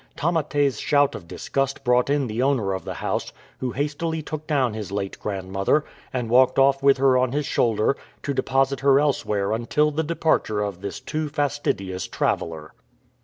Tamate's shout of disgust brought in the owner of the house, who hastily took down his late grandmother and walked off with her on his shoulder, to deposit her elsewhere until the departure of this too fastidious traveller.